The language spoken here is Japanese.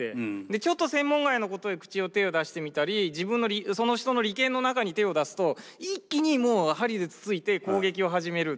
でちょっと専門外のことへ口や手を出してみたりその人の利権の中に手を出すと一気にもう針でつついて攻撃を始める。